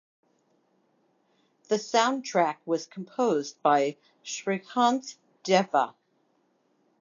The soundtrack was composed by Srikanth Deva.